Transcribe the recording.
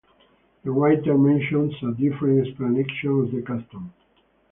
The writer mentions a different explanation of the custom.